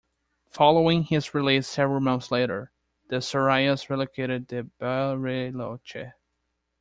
Following his release several months later, the Sorias relocated to Bariloche.